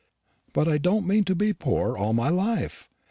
But I don't mean to be poor all my life.